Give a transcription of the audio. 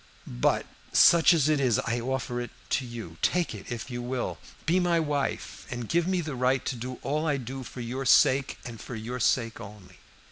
But such as it is I offer it to you. Take it if you will. Be my wife, and give me the right to do all I do for your sake, and for your sake only."